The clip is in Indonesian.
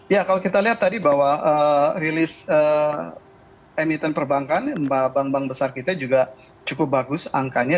ya kalau kita lihat tadi bahwa rilis emiten perbankan bank bank besar kita juga cukup bagus angkanya